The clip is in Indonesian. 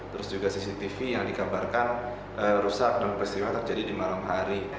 terus juga cctv yang dikabarkan rusak dan peristiwa terjadi di malam hari